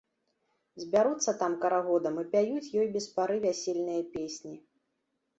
Збяруцца там карагодам і пяюць ёй без пары вясельныя песні.